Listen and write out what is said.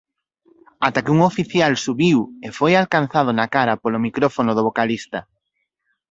Ata que un oficial subiu e foi alcanzado na cara polo micrófono do vocalista.